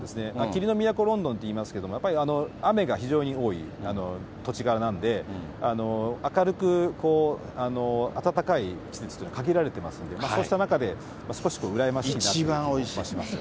霧の都、ロンドンっていいますけど、やっぱり雨が非常に多い土地柄なんで、明るく暖かい季節というのは限られていますので、そうした中で、少しうらやましいなという感じがします。